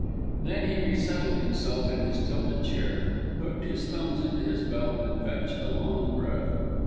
Then he resettled himself in his tilted chair, hooked his thumbs into his belt, and fetched a long breath.